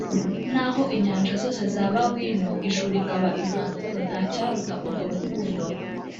Naho inyanja zose zaba wino ijuru rikaba impapuro ntacyaruta urwo rukundo